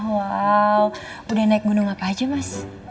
wow udah naik gunung apa aja mas